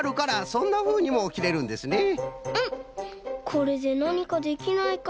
これでなにかできないかな？